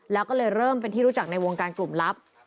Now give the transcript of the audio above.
แล้วก็เลยเริ่มเป็นที่รู้จักในวงการกลุ่มลับ